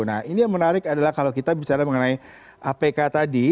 nah ini yang menarik adalah kalau kita bicara mengenai apk tadi